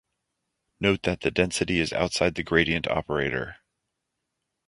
Note that the density is outside the gradient operator.